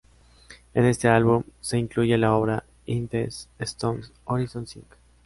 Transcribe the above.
En este mismo álbum se incluye la obra ""In These Stones Horizons Sing"".